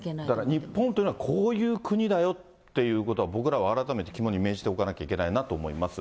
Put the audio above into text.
日本というのはこういう国だよということは僕らは改めて肝に銘じておかなければいけないと思います。